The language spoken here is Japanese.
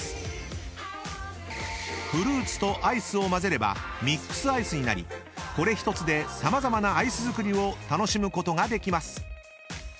［フルーツとアイスを混ぜればミックスアイスになりこれ一つで様々なアイス作りを楽しむことができます］